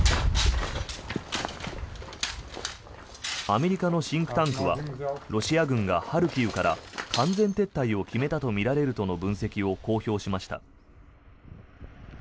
アメリカのシンクタンクはロシア軍がハルキウから完全撤退を決めたとみられるとの分析を公表しました。